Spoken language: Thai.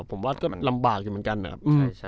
ผมว่าก็ลำบากอยู่เหมือนกันนะครับ